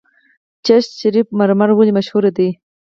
چشت شریف مرمر ولې مشهور دي؟